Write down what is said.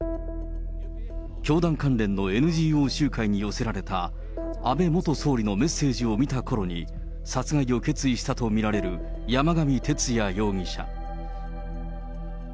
教団関連のＮＧＯ集会に寄せられた、安倍元総理のメッセージを見たころに、殺害を決意したと見られる山上徹也容疑者。